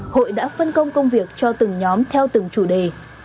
hội đã phân công công việc cho từng nhóm theo từng chủ đề